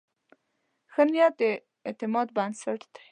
ښه نیت د اعتماد بنسټ دی.